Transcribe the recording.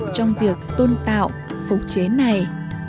trong việc tôn tạo phục chế này